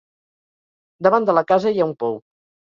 Davant de la casa hi ha un pou.